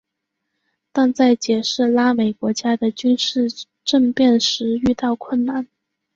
但在解释拉美国家的军事政变时遇到困难。